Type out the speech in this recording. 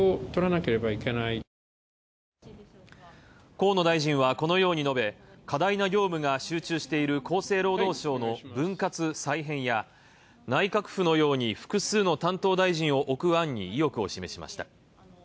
河野大臣はこのように述べ過大な業務が集中している厚生労働省の分割・再編や内閣府のように複数の担当大臣を置く案に意欲を示しました。